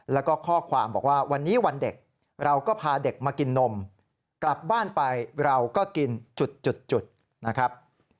แล้วก็ข้อความบอกว่าวันนี้วันเด็กเราก็พาเด็กมากินนมกลับบ้านไปเราก็กินจุดนะครับ